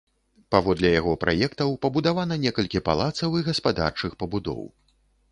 Паводле яго праектаў пабудавана некалькі палацаў і гаспадарчых пабудоў.